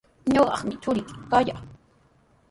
Ñuqami churiyki kallaa.